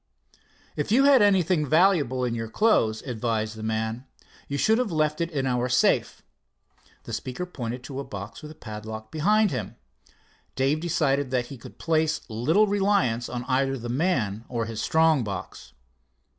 "If you had anything valuable in your clothes," advised the man, "you should have left it in our safe." The speaker pointed to a box with a padlock behind him. Dave decided that he could place little reliance in either the man or his strong box.